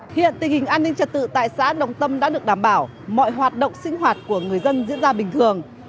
hiện tình hình an ninh trật tự tại xã đồng tâm đã được đảm bảo mọi hoạt động sinh hoạt của người dân diễn ra bình thường